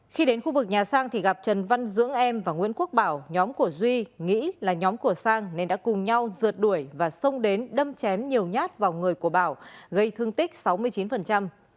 khi đến khu vực nhà sang thì gặp trần văn dưỡng em và nguyễn quốc bảo nhóm của duy nghĩ là nhóm của sang nên đã cùng nhau rượt đuổi và xông đến đâm chém nhiều nhát vào người của bảo gây thương tích sáu mươi chín